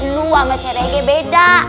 lu sama serege beda